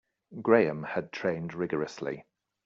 Graham had trained rigourously.